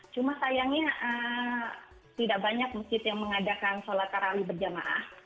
cuma sayangnya tidak banyak masjid yang mengadakan sholat tarawih berjamaah